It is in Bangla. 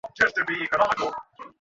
ওই, বোকাচোদা!